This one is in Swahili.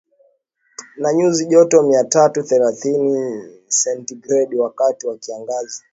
na nyuzi joto mia tatu thelathini sentigredi wakati wa kiangazi